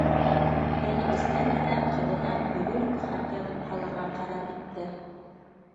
Әле эстән генә ҡыҙына бөгөн үк хат яҙып һалырға ҡарар итте